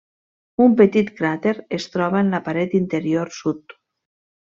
Un petit cràter es troba en la paret interior sud.